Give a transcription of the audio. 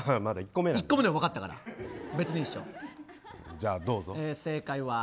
１個目でも分かったからじゃあ、どうぞ。